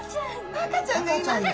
赤ちゃんがいます。